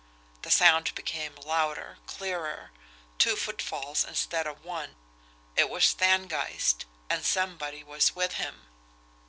The sound became louder, clearer two footfalls instead of one. It was Stangeist, and somebody was with him.